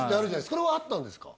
それはあったんですか？